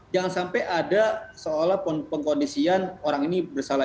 jangan sampai ada seolah pengkondisian orang ini bersalah